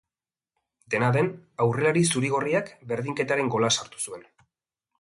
Dena den, aurrelari zuri-gorriak berdinketaren gola sartu zuen.